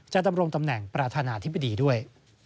ดำรงตำแหน่งประธานาธิบดีด้วย